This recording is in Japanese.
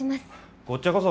こっちゃこそ。